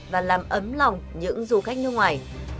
và làm ấm lòng những du khách nước ngoài